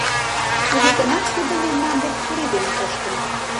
— Туге гынат, тудо мемнан дек пуреден коштын.